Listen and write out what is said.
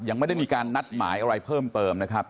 ยังไม่ได้มีการนัดหมายอะไรเพิ่มเติมนะครับ